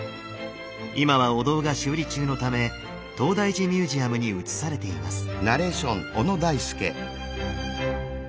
今はお堂が修理中のため東大寺ミュージアムに移されています。